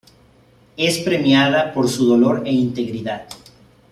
Es premiada por su dolor e integridad.